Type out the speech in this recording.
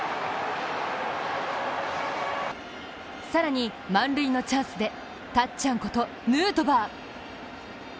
更に、満塁のチャンスでたっちゃんことヌートバー。